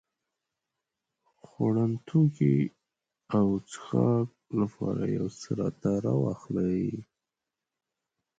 خوړن توکي او څښاک لپاره يو څه راته راواخلې.